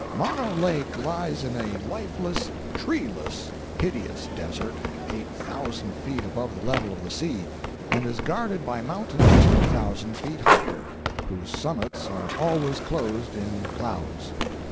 Mono Lake lies in a lifeless, treeless, hideous desert, eight thousand feet above the level of the sea, and is guarded by mountains two thousand feet higher, whose summits are always clothed in clouds.